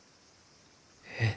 えっ？